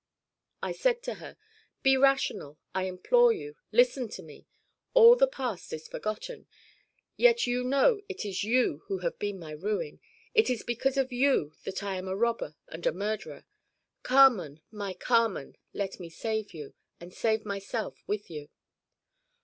I said to her: "Be rational, I implore you; listen to me. All the past is forgotten. Yet you know it is you who have been my ruin it is because of you that I am a robber and a murderer. Carmen, my Carmen, let me save you, and save myself with you."